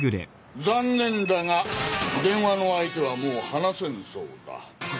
残念だが電話の相手はもう話せんそうだ。